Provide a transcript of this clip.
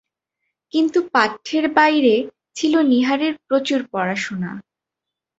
কিন্তু পাঠ্যের বাইরে ছিল নীহারের প্রচুর পড়াশুনা।